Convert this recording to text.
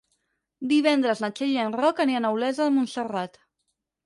Divendres na Txell i en Roc aniran a Olesa de Montserrat.